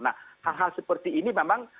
nah hal hal seperti ini memang